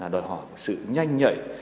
đòi hỏi sự nhanh nhạy